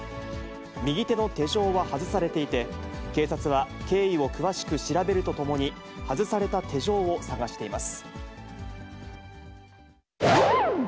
右手の手錠は外されていて、警察は、経緯を詳しく調べるとともに、外された手錠を捜しています。